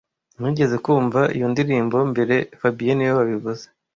Nigeze kumva iyo ndirimbo mbere fabien niwe wabivuze